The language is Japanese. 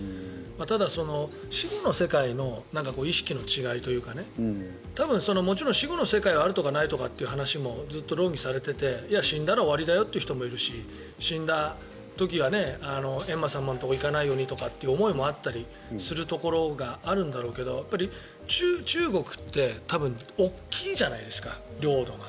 ただ、死後の世界の意識の違いというか多分、もちろん死後の世界はあるとかないとかいう話もずっと論議されていて死んだら終わりだよって人もいるし死んだ時は閻魔様のところに行かないようにっていう思いがあったりするところもあるんだろうけど中国って多分大きいじゃないですか、領土が。